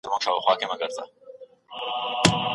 ایا د انسان عزت په ټولنه کي خوندي دی؟